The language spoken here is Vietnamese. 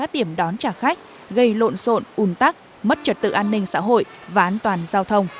tiểm đón trả khách gây lộn xộn ùn tắc mất trật tự an ninh xã hội ván toàn giao thông